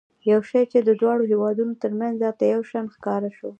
یو شی چې د دواړو هېوادونو ترمنځ راته یو شان ښکاره شو.